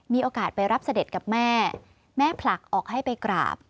มีโอกาสไปรับเสด็จกับแม่แม่ผลักออกให้ไปกราบ